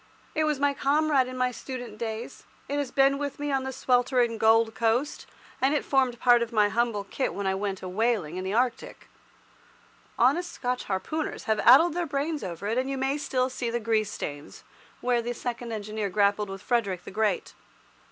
It was my comrade in my student days, it has been with me on the sweltering Gold Coast, and it formed part of my humble kit when I went a whaling in the Arctic. Honest Scotch harpooners have addled their brains over it, and you may still see the grease stains where the second engineer grappled with Frederick the Great.